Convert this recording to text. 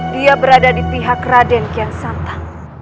dia berada di pihak raden kiansantan